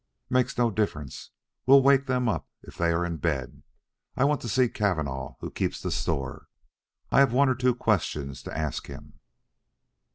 "Makes no difference. We'll wake them up if they are in bed. I want to see Cavanagh, who keeps the store. I have one or two questions to ask him."